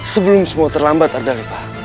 sebelum semua terlambat ada apa